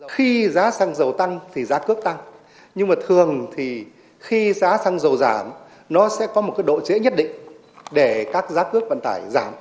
khi giá xăng dầu tăng thì giá cước tăng nhưng mà thường thì khi giá xăng dầu giảm nó sẽ có một cái độ trễ nhất định để các giá cước vận tải giảm